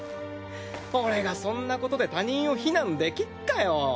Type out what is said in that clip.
俺がそんなことで他人を非難できっかよぉ。